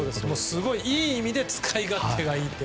すごくいい意味で使い勝手がいいと。